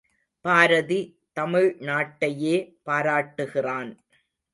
பாரதி தமிழ் நாட்டையே பாராட்டுகிறான்.